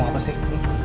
gue mau ngapasih